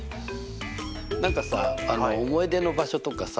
何かさ思い出の場所とかさ